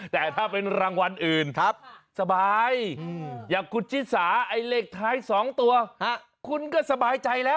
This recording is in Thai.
แต่ถ้าเป็นรางวัลอื่นสบายอย่างคุณชิสาไอ้เลขท้าย๒ตัวคุณก็สบายใจแล้ว